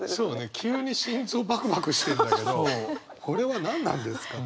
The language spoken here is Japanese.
急に心臓バクバクしてんだけどこれは何なんですかと。